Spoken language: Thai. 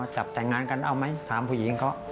จับแต่งงานกันเอาไหมถามผู้หญิงเขา